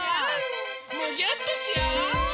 むぎゅーってしよう！